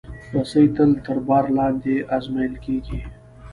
رسۍ تل تر بار لاندې ازمېیل کېږي.